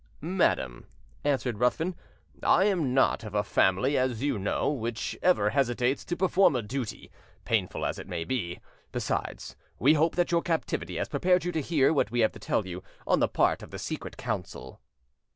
"Madam," answered Ruthven, "I am not of a family, as you know, which ever hesitates to perform a duty, painful as it may be; besides, we hope that your captivity has prepared you to hear what we have to tell you on the part of the Secret Council."